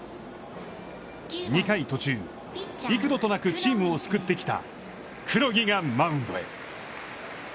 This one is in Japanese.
２回途中、幾度となくチームを救ってきた黒木がマウンドへ。